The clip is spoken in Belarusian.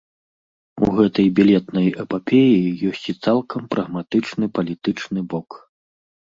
У гэтай білетнай эпапеі ёсць і цалкам прагматычны палітычны бок.